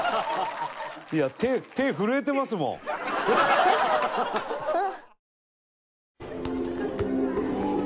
いや手震えてますもん。